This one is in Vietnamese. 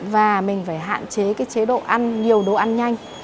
và mình phải hạn chế cái chế độ ăn nhiều đồ ăn nhanh